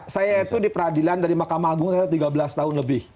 saya itu di peradilan dari mahkamah agung saya tiga belas tahun lebih